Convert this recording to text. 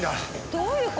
どういう事？